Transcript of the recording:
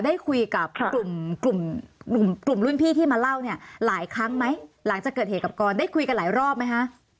ได้คุยกับกลุ่มกลุ่มรุ่นพี่ที่มาเล่าเนี่ยหลายครั้งไหมหลังจากเกิดเหตุกับกรได้คุยกันหลายรอบไหมคะ